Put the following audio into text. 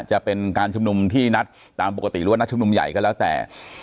จะเป็นการชุมนุมที่นัดตามปกติหรือว่านัดชุมนุมใหญ่ก็แล้วแต่